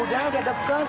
ini udah udah buka